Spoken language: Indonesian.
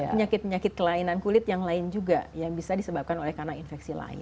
penyakit penyakit kelainan kulit yang lain juga yang bisa disebabkan oleh karena infeksi lain